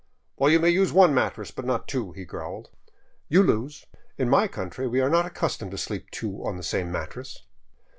" Well, you may use one mattress, but not two," he growled. " You lose. In my country we are not accustomed to sleep two on the same mattress."